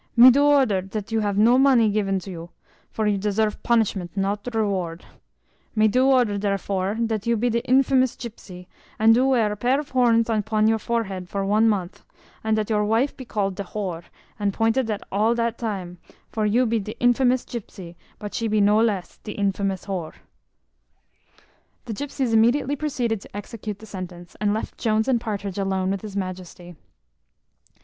Me do order dat you have no money given you, for you deserve punishment, not reward; me do order derefore, dat you be de infamous gypsy, and do wear pair of horns upon your forehead for one month, and dat your wife be called de whore, and pointed at all dat time; for you be de infamous gypsy, but she be no less de infamous whore." The gypsies immediately proceeded to execute the sentence, and left Jones and Partridge alone with his majesty.